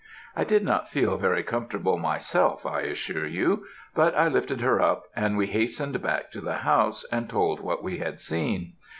I did not feel very comfortable myself, I assure you; but I lifted her up, and we hastened back to the house and told what we had seen.